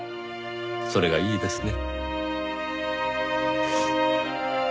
それがいいですね。